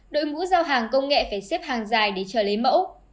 đội ngũ giao hàng công nghệ phải xếp hàng dài để chờ lấy mẫu